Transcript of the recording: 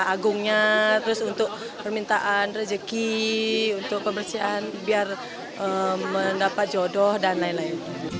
agungnya terus untuk permintaan rezeki untuk pembersihan biar mendapat jodoh dan lain lain